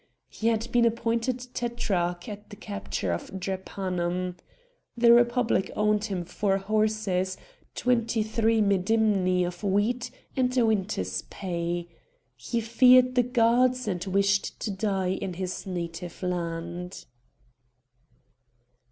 He had been appointed tetrarch at the capture of Drepanum. The Republic owed him four horses, twenty three medimni of wheat, and a winter's pay. He feared the gods, and wished to die in his native land.